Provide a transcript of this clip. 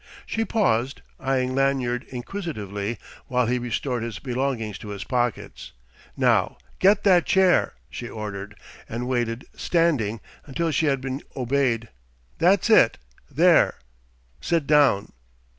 She paused, eyeing Lanyard inquisitively while he restored his belongings to his pockets. "Now, get that chair!" she ordered; and waited, standing, until she had been obeyed. "That's it there! Sit down."